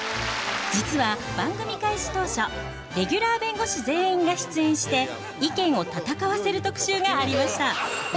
実は番組開始当初レギュラー弁護士全員が出演して意見を戦わせる特集がありました。